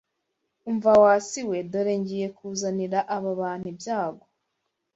Umva, wa si we; dore ngiye kuzanira aba bantu ibyago